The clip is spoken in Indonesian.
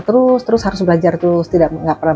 terus terus harus belajar terus tidak pernah